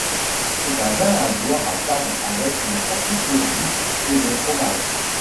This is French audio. C'est un vin à boire à table avec les charcuteries et les fromages.